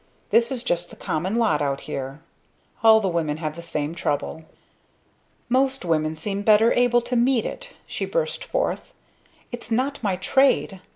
This is just the common lot out here. All the women have the same trouble." "Most women seem better able to meet it!" she burst forth. "It's not my trade!